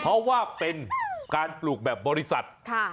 เพราะว่าเป็นการปลูกแบบบริษัท